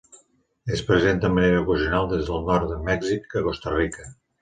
És present de manera ocasional des del nord de Mèxic a Costa Rica.